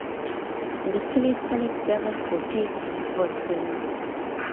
د کلي خلک دغه کوټې ته ورتلل.